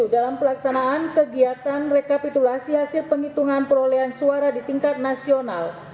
dalam pelaksanaan kegiatan rekapitulasi hasil penghitungan perolehan suara di tingkat nasional